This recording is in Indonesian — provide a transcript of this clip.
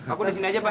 aku di sini aja pak